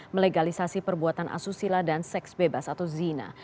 melegalisasi perbuatan asusila dan seks bebas atau zina